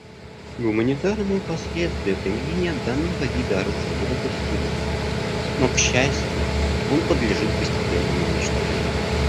Гуманитарные последствия применения данного вида оружия недопустимы, но, к счастью, он подлежит постепенному уничтожению.